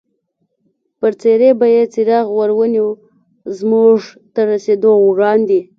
پر څېرې به یې څراغ ور ونیو، زموږ تر رسېدو وړاندې.